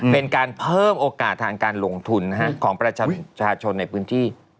เป็นการเพิ่มโอกาสทางการลงทุนของประชาชนในพื้นที่